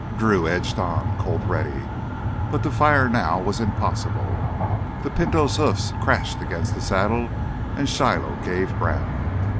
Drew edged on, Colt ready. But to fire now was impossible. The Pinto's hoofs crashed against the saddle and Shiloh gave ground.